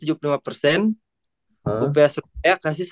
uph surabaya kasih seratus